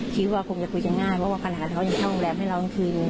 คิดว่าคงจะคุยกันง่ายเพราะว่าขนาดเขาอยู่เข้าโรงแรมให้เรากลางคืน